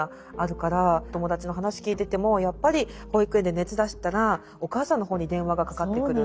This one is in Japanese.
友達の話聞いててもやっぱり保育園で熱出したらお母さんの方に電話がかかってくる。